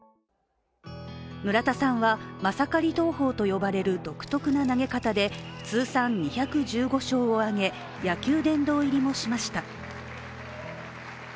村田さんはマサカリ投法と呼ばれる独特な投げ方で、通算２１５勝を挙げ、野球殿堂入りもしました。